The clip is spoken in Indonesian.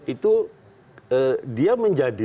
itu dia menjadi